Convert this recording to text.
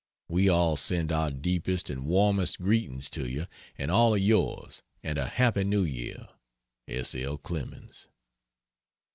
We all send our deepest and warmest greetings to you and all of yours and a Happy New Year! S. L. CLEMENS.